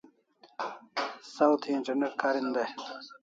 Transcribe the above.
Saw thi internet karin dai